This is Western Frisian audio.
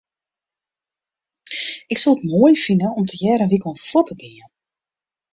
Ik soe it moai fine om tegearre in wykein fuort te gean.